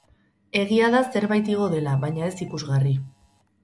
Egia da zerbait igo dela, baina ez ikusgarri.